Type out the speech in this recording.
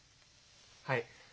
はい。